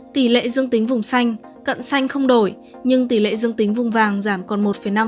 tỷ lệ dương tính vùng xanh cận xanh không đổi nhưng tỷ lệ dương tính vùng vàng giảm còn một năm